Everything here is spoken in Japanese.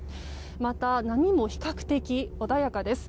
また、波も比較的穏やかです。